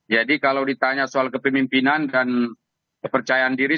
kalau ditanya soal kepemimpinan dan kepercayaan diri